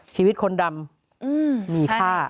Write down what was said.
ชีวิตคนดำมีค่า